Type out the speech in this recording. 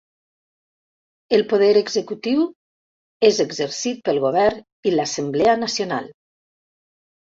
El poder executiu és exercit pel govern i l'Assemblea Nacional.